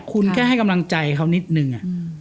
คุณแค่ให้กำลังใจเขานิดนึง